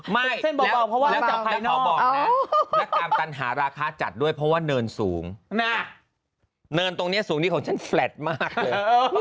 ไม่แล้วแต่ภัยเขาบอกนะแล้วตามตันหาราคาจัดด้วยเพราะว่าเนินสูงเนินตรงนี้สูงนี้ของฉันแฟลตมากเลย